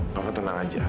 papa tenang saja